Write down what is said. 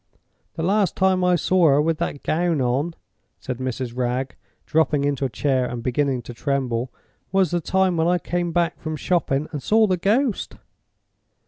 "The last time I saw her with that gown on," said Mrs. Wragge, dropping into a chair and beginning to tremble, "was the time when I came back from shopping and saw the Ghost."